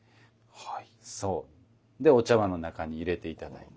はい。